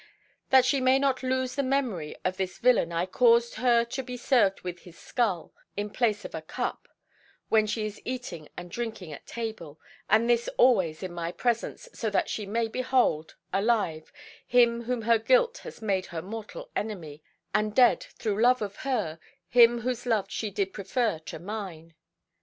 "That she may not lose the memory of this villain I cause her to be served with his skull, (2) in place of a cup, when she is eating and drinking at table, and this always in my presence, so that she may behold, alive, him whom her guilt has made her mortal enemy, and dead, through love of her, him whose love she did prefer to mine.